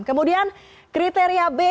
kemudian kriteria b